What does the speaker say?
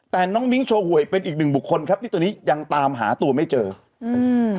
แต่น้องมิ้งโชว์หวยเป็นอีกหนึ่งบุคคลครับที่ตอนนี้ยังตามหาตัวไม่เจออืม